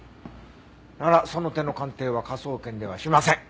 ならその手の鑑定は科捜研ではしません。